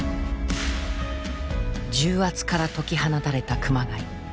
重圧から解き放たれた熊谷。